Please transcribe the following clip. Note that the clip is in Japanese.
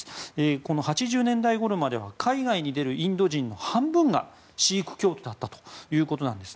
この８０年代ごろまでは海外に出るインド人の半分がシーク教徒だったということなんです。